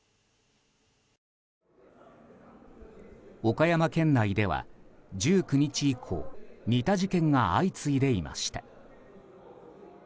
岡山県内では１９日以降似た事件が相次いでいました。